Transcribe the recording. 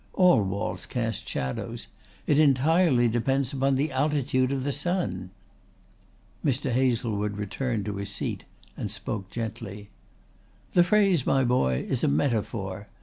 All walls cast shadows. It entirely depends upon the altitude of the sun." Mr. Hazlewood returned to his seat and spoke gently. "The phrase, my boy, is a metaphor.